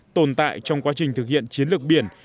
tồn tại trong quá trình thực hiện chiến lược biển